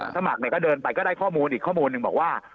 สมัครก็เดินไปก็ได้ข้อมูลอีกข้อมูลหนึ่งบอกว่า